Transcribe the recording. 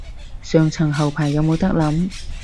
上層後排有冇得諗